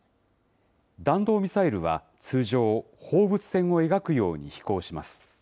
弾道ミサイルは通常、放物線を描くように飛行します。